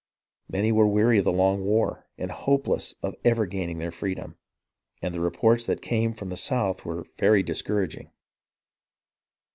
Many were weary of the long war and hopeless of ever gaining their freedom, and the reports that came from the south were very discouraging.